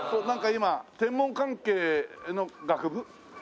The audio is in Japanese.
なんか今天文関係の学部？